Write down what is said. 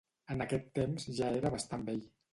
En aquest temps ja era bastant vell.